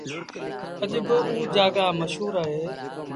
اڄ با اُجآڳآ مشهور اهي